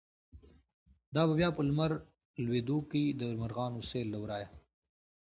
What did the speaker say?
دابه بیا په لمر لویدوکی، دمرغانو سیل له ورایه”